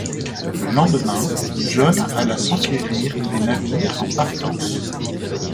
Le lendemain, John alla s’enquérir des navires en partance.